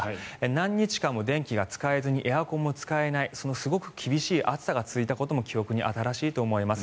何日間も電気が使えずにエアコンも使えないすごく厳しい暑さが続いたことも記憶に新しいと思います。